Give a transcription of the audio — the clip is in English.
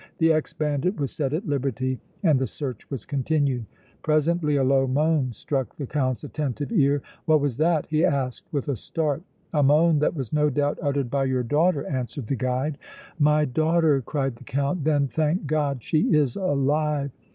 The ex bandit was set at liberty and the search was continued. Presently a low moan struck the Count's attentive ear. "What was that?" he asked, with a start. "A moan that was no doubt uttered by your daughter!" answered the guide. "My daughter!" cried the Count. "Then, thank God, she is alive!"